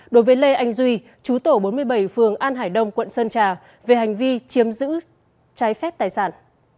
đối với lê anh duy chú tổ bốn mươi bảy phường an hải đông quận sơn trà về hành vi chiếm giữ trái phép tài sản